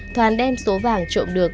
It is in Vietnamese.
thoàn đem số vàng trộm được